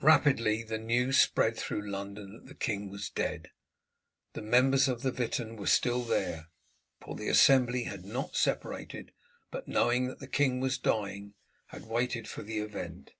Rapidly the news spread through London that the king was dead. The members of the Witan were still there, for the assembly had not separated, but knowing that the king was dying had waited for the event.